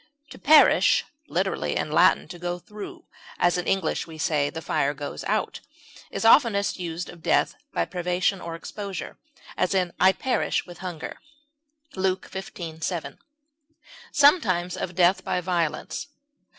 To perish (literally, in Latin, to go through, as in English we say, "the fire goes out") is oftenest used of death by privation or exposure; as, "I perish with hunger," Luke xv, 17; sometimes, of death by violence.